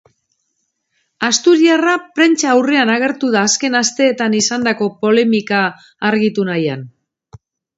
Asturiarra prentsa aurrean agertu da azken asteetan izandako polemika argitu nahian.